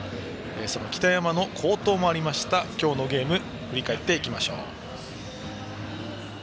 その北山の好投もあった今日のゲーム振り返っていきましょう。